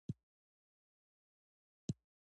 حیوانات باید ونه ځورول شي